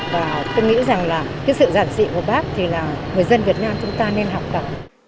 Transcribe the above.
và tôi nghĩ rằng là cái sự giản dị của bác thì là người dân việt nam chúng ta nên học tập